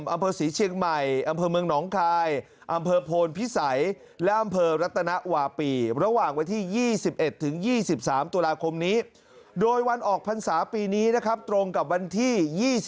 อำเภอสีเชียงใหม่อำเภอเมืองนองคายอำเภอโภรภีษัย